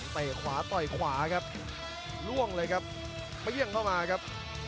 ขวาต่อยขวาครับล่วงเลยครับเปรี้ยงเข้ามาครับ